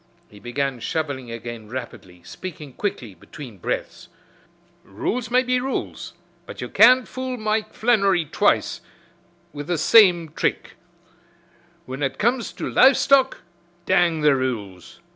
He began shoveling again rapidly, speaking quickly between breaths. "Rules may be rules, but you can't fool Mike Flannery twice wid the same thrick whin ut comes to live stock, dang the rules.